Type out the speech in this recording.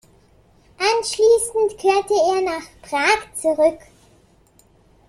Anschließend kehrte er nach Prag zurück.